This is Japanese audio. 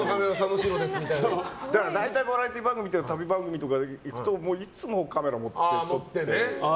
大体バラエティー番組とか旅番組とか行くといつもカメラ持って、撮ってね。